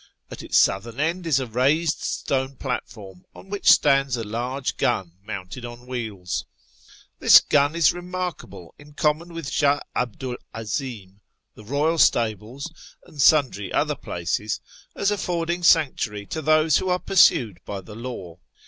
At its southern end is a raised stone platform, on which stands a large gun mounted on wheels. This gun is remarkable, in common with Shah 'Abdu 'l 'Azim, the royal stables, and sundry other places, as afford ing sanctuary to those who are pursued by the law.